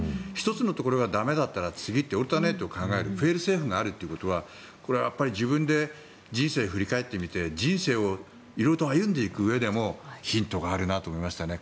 １つのところが駄目だったら次ってオルタネートを考えるフェイルセーフがあるということがこれはやっぱり自分で人生を振り返ってみて人生を歩んでいくうえでもヒントがあるなと思いましたね。